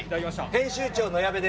編集長の矢部です。